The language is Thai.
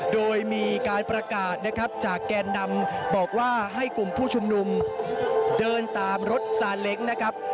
โดยมีการประกาศนะครับจากแกนนำบอกว่าให้กลุ่มผู้ชุมนุมเดินตามรถซาเล้งนะครับ